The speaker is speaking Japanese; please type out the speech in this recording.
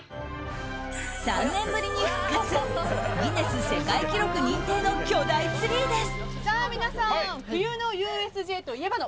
３年ぶりに復活ギネス世界記録認定の巨大ツリーです。